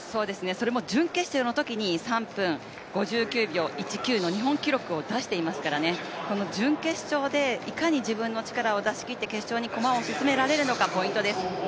それも準決勝のときに３分５９秒１９の日本記録を出していますから、この準決勝でいかに自分の力を出し切って決勝に駒を進められるのか、ポイントです。